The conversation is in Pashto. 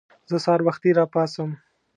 زه سهار وختي راپاڅم.